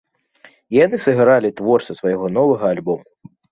І яны сыгралі твор са свайго новага альбому.